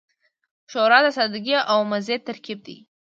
ښوروا د سادګۍ او مزې ترکیب دی.